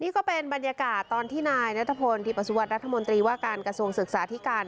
นี่ก็เป็นบรรยากาศตอนที่นายนัทพลทีปสุวรรณรัฐมนตรีว่าการกระทรวงศึกษาธิการ